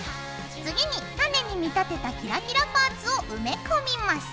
次に種に見立てたキラキラパーツを埋め込みます。